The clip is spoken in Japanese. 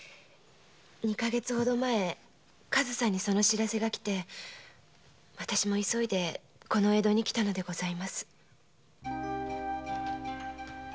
二か月ほど前上総にその報せがきてわたしも急いでこの江戸に来たのでございます。